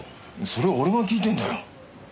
それ俺が聞いてんだよ。